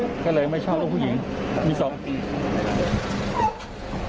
ทำไหมก็ไม่ชอบเพียงสอง